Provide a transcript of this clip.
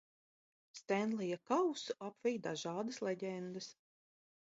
Stenlija kausu apvij dažādas leģendas.